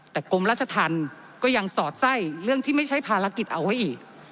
แต่กรมราชธรรมก็ยังสอดไส้เรื่องที่ไม่ใช่ภารกิจเอาไว้อีก